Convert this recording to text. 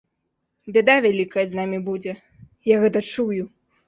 Бяда вялікая з намі будзе, я гэта чую.